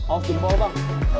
oh simbol pak